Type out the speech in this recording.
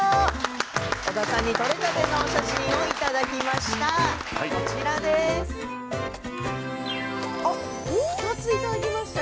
織田さんに撮れたてのお写真をいただきました。